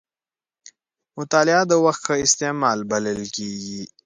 مطالعه د وخت ښه استعمال بلل کېږي.